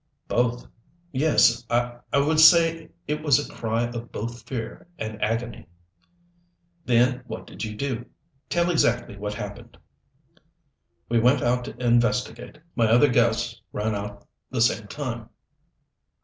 "Both. Yes I would say it was a cry of both fear and agony." "Then what did you do? Tell exactly what happened." "We went out to investigate. My other guests ran out the same time."